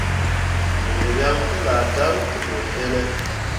Wǝ ryaŋ tellah dan te ɓu fine ?